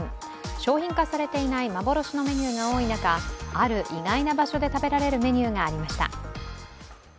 商品化されていない幻のメニューが多い中ある意外な場所で食べられるメニューがありました。